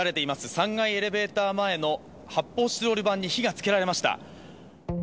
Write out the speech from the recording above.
３階エレベーター前の発泡スチロール板に火がつけられました。